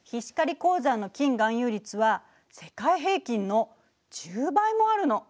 鉱山の金含有率は世界平均の１０倍もあるの！